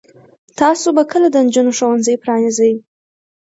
تاسو به کله د نجونو ښوونځي پرانیزئ؟